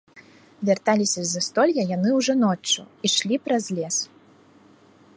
Вярталіся з застолля яны ўжо ноччу, ішлі праз лес.